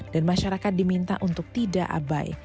dan masyarakat diminta untuk tidak abai